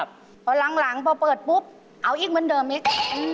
พอหลังพอเปิดปุ๊บเอาอีกเหมือนเดิมอีก